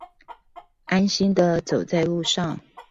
安心的走在路上